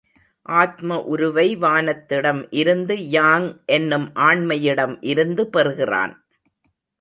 ஆத்ம உருவை, வானத்திடம் இருந்து, யாங் எனும் ஆண்மையிடம் இருந்து பெறுகிறான்!